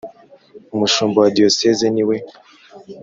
Umushumba wa Diyosezi ni we